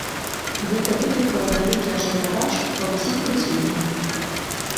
Гэта выклікала вялікі ажыятаж ва ўсіх прысутных.